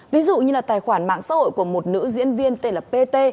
ví dụ như là tài khoản mạng xã hội của một nữ diễn viên tên là pt